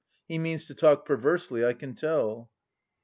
He means to talk perversely, I can tell.